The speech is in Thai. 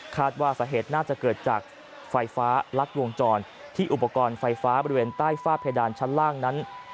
ว่าสาเหตุน่าจะเกิดจากไฟฟ้ารัดวงจรที่อุปกรณ์ไฟฟ้าบริเวณใต้ฝ้าเพดานชั้นล่างนั้น